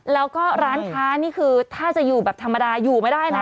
แล้วก็ร้านค้านี่คือถ้าจะอยู่แบบธรรมดาอยู่ไม่ได้นะ